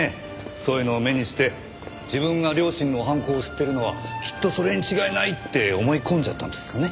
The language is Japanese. そういうのを目にして自分が両親の犯行を知ってるのはきっとそれに違いない！って思い込んじゃったんですかね？